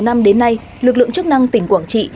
năm đến nay lực lượng chức năng tỉnh quảng trị